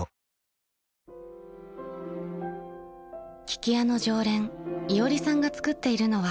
［聞き屋の常連いおりさんが作っているのは］